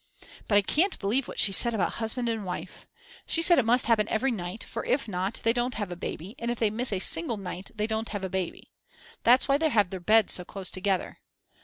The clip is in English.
But I can't believe what she said about husband and wife. She said it must happen every night, for if not they don't have a baby; if they miss a single night they don't have a baby. That's why they have their beds so close together.